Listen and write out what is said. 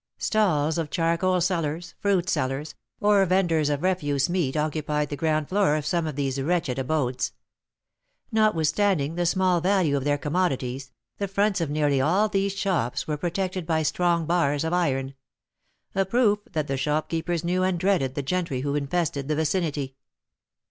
Stalls of charcoal sellers, fruit sellers, or venders of refuse meat occupied the ground floor of some of these wretched abodes. Notwithstanding the small value of their commodities, the fronts of nearly all these shops were protected by strong bars of iron, a proof that the shopkeepers knew and dreaded the gentry who infested the vicinity.